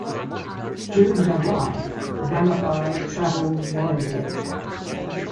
During her life, Ramabai traveled widely.